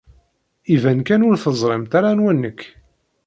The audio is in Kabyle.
Iban kan ur teẓrimt ara anwa nekk.